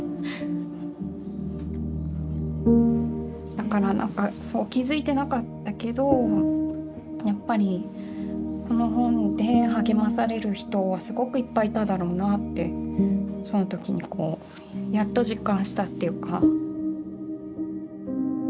だから何かそう気付いてなかったけどやっぱりこの本で励まされる人はすごくいっぱいいただろうなってその時にやっと実感したっていうか。